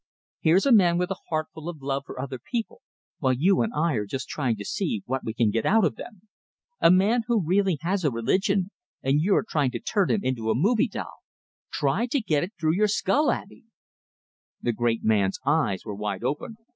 Here's a man with a heart full of love for other people while you and I are just trying to see what we can get out of them! A man who really has a religion and you're trying to turn him into a movie doll! Try to get it through your skull, Abey!" The great man's eyes were wide open.